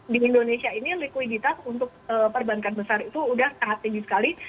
di indonesia ini likuiditas untuk perbankan besar itu sudah sangat tinggi sekali